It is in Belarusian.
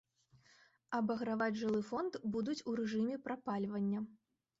Абаграваць жылы фонд будуць у рэжыме прапальвання.